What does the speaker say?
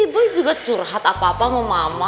boy juga curhat apa apa sama mama